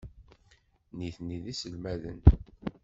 Nitni d iselmaden.